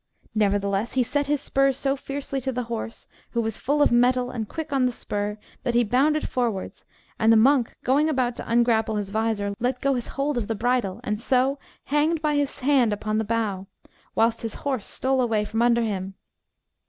Nevertheless, he set his spurs so fiercely to the horse, who was full of mettle and quick on the spur, that he bounded forwards, and the monk going about to ungrapple his vizor, let go his hold of the bridle, and so hanged by his hand upon the bough, whilst his horse stole away from under him.